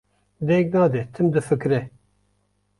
deng nade, tim difikire.